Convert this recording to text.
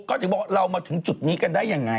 ก็ถึงบอกเรามาถึงจุดนี้กันได้ยังไง